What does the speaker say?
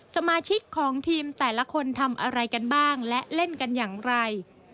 สมาชิกของทีมแต่ละคนทำอะไรกันบ้างและเล่นกันอย่างไร